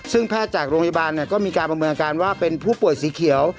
ซึ่งแพทย์จากโรงพยาบาลก็มีการประเมินอาการว่าเป็นผู้ป่วยสีเขียว